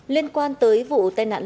liên quan tới vụ tai nạn long